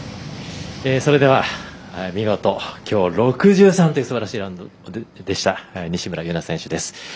それでは見事、きょう６３というすばらしいラウンドでした西村優菜選手です。